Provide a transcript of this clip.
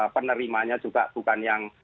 penerimanya juga bukan yang